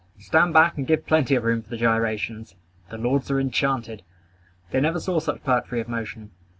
Stand back and give plenty of room for the gyrations. The lords are enchanted. They never saw such poetry of motion.